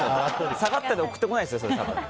下がったで送ってこないでしょ。